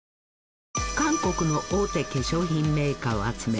韓国の大手化粧品メーカーを集め